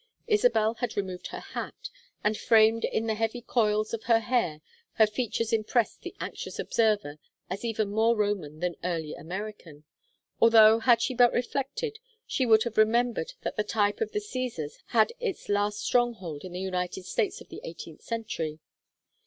Isabel had removed her hat, and, framed in the heavy coils of her hair, her features impressed the anxious observer as even more Roman than early American; although had she but reflected she would have remembered that the type of the Cæsars had its last stronghold in the United States of the eighteenth century.